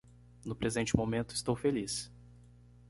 No presente momento, estou feliz